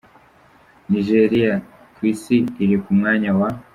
Nigeriya : ku isi iri ku mwanya wa .